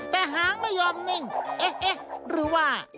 แต่หางไม่ยอมนิ่งเอ๊ะหรือว่า